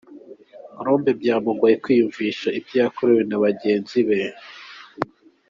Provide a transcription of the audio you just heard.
Colombe byamugoye kwiyumvisha ibyo yakorewe na bagenzi be.